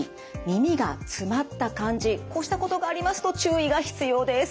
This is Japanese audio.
こうしたことがありますと注意が必要です。